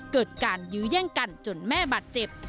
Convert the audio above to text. เกิดการยื้อแย่งกันจนแม่บาดเจ็บ